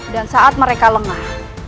dan saat mereka lengah